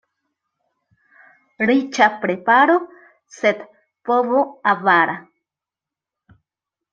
Riĉa preparo, sed povo avara.